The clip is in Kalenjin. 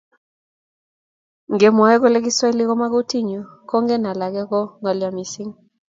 Ngemwoe kole kiswahili komo kutinyu kongen alake ko ngolyo missing